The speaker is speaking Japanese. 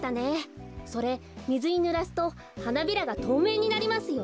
それみずにぬらすとはなびらがとうめいになりますよ。